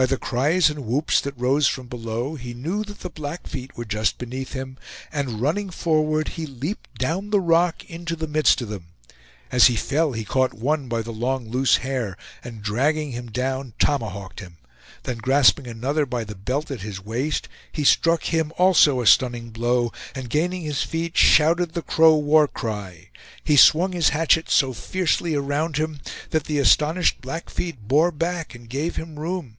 By the cries and whoops that rose from below he knew that the Blackfeet were just beneath him; and running forward, he leaped down the rock into the midst of them. As he fell he caught one by the long loose hair and dragging him down tomahawked him; then grasping another by the belt at his waist, he struck him also a stunning blow, and gaining his feet, shouted the Crow war cry. He swung his hatchet so fiercely around him that the astonished Blackfeet bore back and gave him room.